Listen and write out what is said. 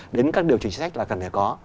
đến các điều chỉnh sách là cần phải có